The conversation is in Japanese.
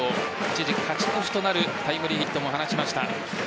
一時、勝ち越しとなるタイムリーヒットも放ちました。